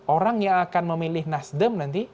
orang yang akan memilih nasdem nanti